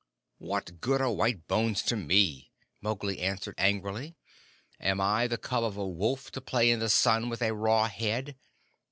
"What good are white bones to me?" Mowgli answered angrily. "Am I the cub of a wolf to play in the sun with a raw head?